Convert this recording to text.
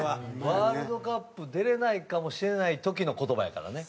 ワールドカップ出れないかもしれない時の言葉やからね。